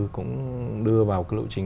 cũng đưa vào cái lộ trình